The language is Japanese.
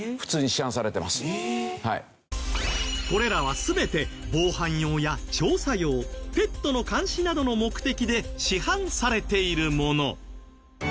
これらは全て防犯用や調査用ペットの監視などの目的で市販されているもの。